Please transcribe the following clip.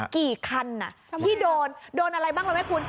กี่คันที่โดนโดนอะไรบ้างรู้ไหมคุณ